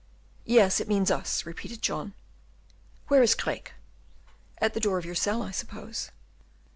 "Yes, it means us," repeated John. "Where is Craeke?" "At the door of your cell, I suppose."